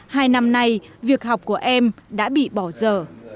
hai năm nay việc học của em đã bị bỏ giờ